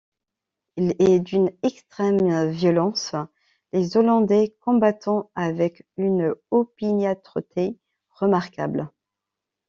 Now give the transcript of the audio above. Il est d'une extrême violence, les Hollandais combattant avec une opiniâtreté remarquable.